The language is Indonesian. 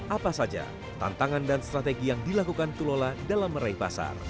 apa saja tantangan dan strategi yang dilakukan tulola dalam meraih pasar